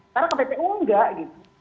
karena kppu enggak gitu